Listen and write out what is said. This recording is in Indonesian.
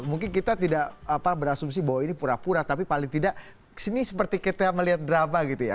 mungkin kita tidak berasumsi bahwa ini pura pura tapi paling tidak ini seperti kita melihat drama gitu ya